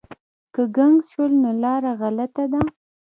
که ګنګس شول نو لاره غلطه ده.